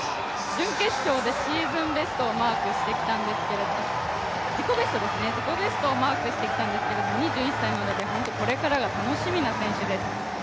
準決勝で自己ベストをマークしてきたんですけれども、２１歳なので、本当にこれからが楽しみな選手です。